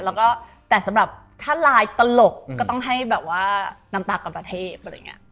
แล้วก็แต่สำหรับถ้าลายตลกก็ต้องให้แบบว่าน้ำตากลับประเทศอะไรอย่างนี้